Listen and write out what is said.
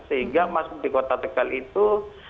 sehingga masuk di kota tegal itu